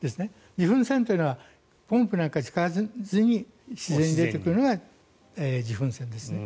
自噴泉というのはポンプなどを使わずに自然に出てくるのが自噴泉です。